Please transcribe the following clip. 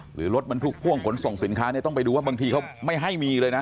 หรือรถบรรทุกพ่วงขนส่งสินค้าเนี่ยต้องไปดูว่าบางทีเขาไม่ให้มีเลยนะ